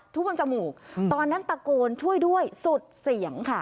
ท่วมจมูกตอนนั้นตะโกนช่วยด้วยสุดเสียงค่ะ